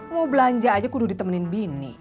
mau belanja aja kudu ditemenin bini